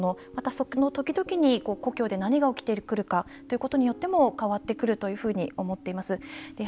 その時々に故郷で何が起こってくるかによっても変わってくるというふうに思っています。